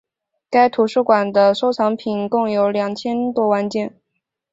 该图书馆的收藏品共有两千多万件。